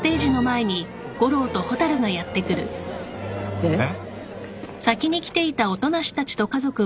えっ？